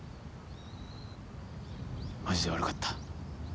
マジで悪かった。